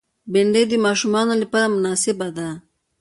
بېنډۍ د ماشومانو لپاره مناسبه ده